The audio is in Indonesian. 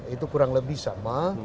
itu kurang lebih sama